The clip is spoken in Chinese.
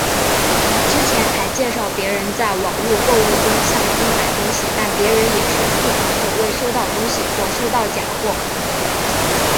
之前还介绍别人在网路购物中向丁买东西但别人也是付款后未收到东西或收到假货。